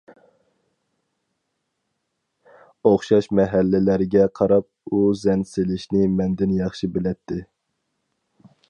ئوخشاش مەھەللىلەرگە قاراپ ئۇ زەن سېلىشنى مەندىن ياخشى بىلەتتى.